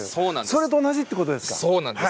それと同じってことですか？